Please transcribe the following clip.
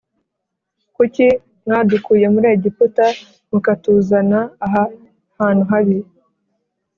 Kuki mwadukuye muri Egiputa mukatuzana aha hantu habi